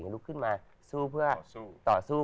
ลุกขึ้นมาสู้เพื่อต่อสู้